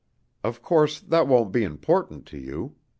Of course that won't be important to you.